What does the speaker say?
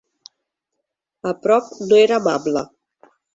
A prop no era amable.